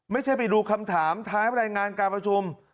ไปดูคำถามท้ายบรรยายงานการประชุม